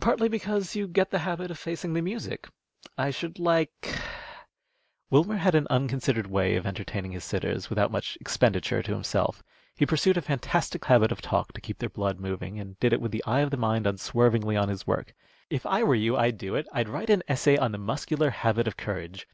Partly because you get the habit of facing the music. I should like " Wilmer had an unconsidered way of entertaining his sitters, without much expenditure to himself; he pursued a fantastic habit of talk to keep their blood moving, and did it with the eye of the mind unswervingly on his work. "If I were you, I'd do it. I'd write an essay on the muscular habit of courage.